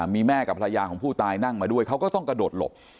มีแม่กับภรรยาของผู้ตายนั่งมาด้วยเขาก็ต้องกระโดดหลบ